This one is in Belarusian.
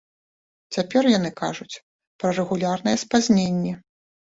Цяпер яны кажуць пра рэгулярныя спазненні.